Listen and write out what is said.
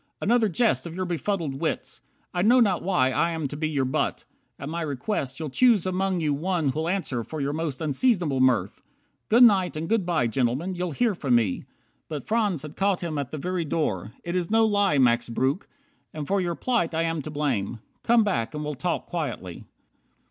"Another jest Of your befuddled wits. I know not why I am to be your butt. At my request You'll choose among you one who'll answer for Your most unseasonable mirth. Good night And good by, gentlemen. You'll hear from me." But Franz had caught him at the very door, "It is no lie, Max Breuck, and for your plight I am to blame. Come back, and we'll talk quietly.